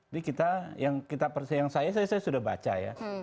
jadi kita yang saya sudah baca ya